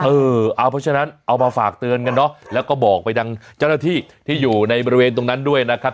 เออเอาเพราะฉะนั้นเอามาฝากเตือนกันเนอะแล้วก็บอกไปทางเจ้าหน้าที่ที่อยู่ในบริเวณตรงนั้นด้วยนะครับ